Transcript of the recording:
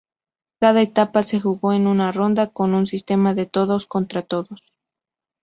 Cada etapa se jugó en una ronda con un sistema de todos-contra-todos.